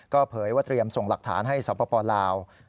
เผยว่าเตรียมส่งหลักฐานให้สปลาว